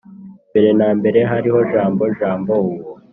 Mbere na mbere hariho Jambo Jambo uwo